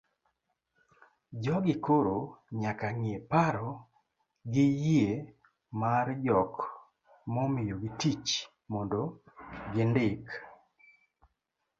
jogi koro nyaka ng'e paro gi yie mar jok momiyogi tich mondo gindik